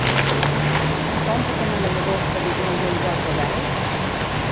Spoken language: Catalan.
Com puc anar a la Llagosta dilluns a un quart de deu?